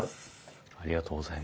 ありがとうございます。